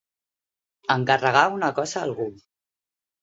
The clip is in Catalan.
Encarregar una cosa a algú.